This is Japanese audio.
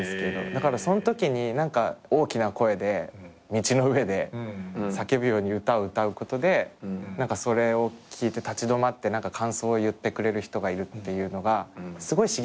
だからそのときに大きな声で道の上で叫ぶように歌を歌うことでそれを聴いて立ち止まって何か感想を言ってくれる人がいるっていうのがすごい刺激的で。